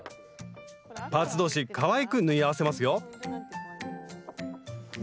パーツ同士かわいく縫い合わせますよ